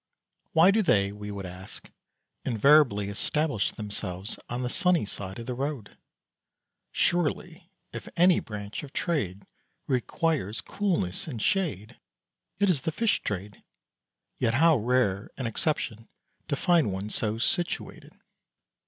Why do they, we would ask, invariably establish themselves on the sunny side of the road? Surely if any branch of trade requires coolness and shade it is the fish trade, yet how rare an exception to find one so situated.